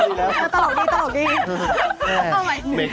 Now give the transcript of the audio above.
เอาใหม่หนึ่ง